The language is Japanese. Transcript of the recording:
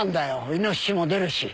イノシシも出るし。